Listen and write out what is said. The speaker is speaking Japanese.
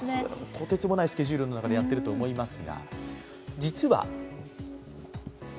とてつもないスケジュールの中ってやっていると思います。